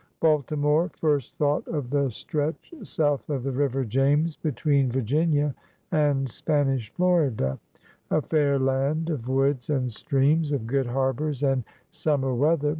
Baltimore first thought of the stretch south of the river James between Virginia and Spanish Florida — a fair MARYLAND 119 land of woods and streams, of good harbors, and summer weather.